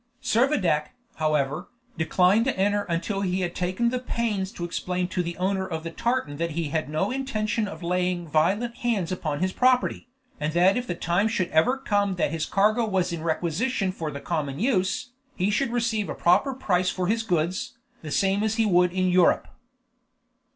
Servadac, however, declined to enter until he had taken the pains to explain to the owner of the tartan that he had no intention of laying violent hands upon his property, and that if the time should ever come that his cargo was in requisition for the common use, he should receive a proper price for his goods, the same as he would in Europe.